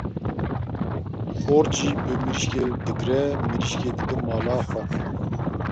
Xort jî bi mirîşkê digre, mirîşkê dibe mala xwe.